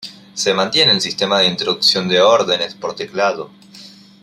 Se mantiene el sistema de introducción de órdenes por teclado.